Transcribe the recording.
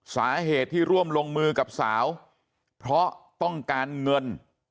สาเหตุที่ร่วมลงมือกับสาวเพราะต้องการเงิน